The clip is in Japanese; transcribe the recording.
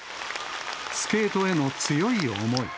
スケートへの強い思い。